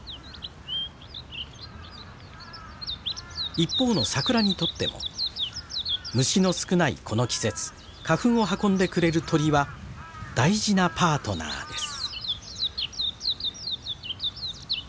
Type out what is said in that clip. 一方の桜にとっても虫の少ないこの季節花粉を運んでくれる鳥は大事なパートナーです。